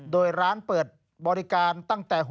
โดยร้านเปิดบริการตั้งแต่